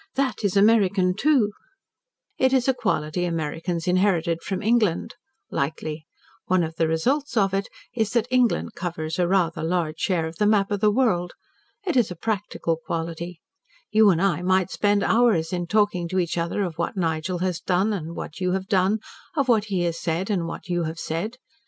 "That is American, too." "It is a quality Americans inherited from England," lightly; "one of the results of it is that England covers a rather large share of the map of the world. It is a practical quality. You and I might spend hours in talking to each other of what Nigel has done and what you have done, of what he has said, and of what you have said.